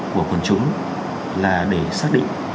của quần chúng là để xác định